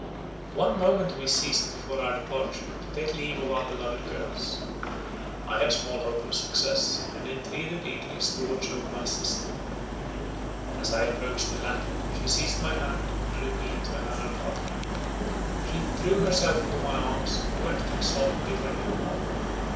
One moment we seized before our departure, to take leave of our beloved girls. I had small hope of success, and entreated Idris to watch over my sister. As I approached the latter, she seized my hand, and drew me into another apartment; she threw herself into my arms, and wept and sobbed bitterly and long.